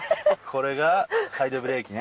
これがサイドブレーキね。